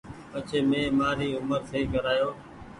پڇي مين مآري اومر سئي ڪرايو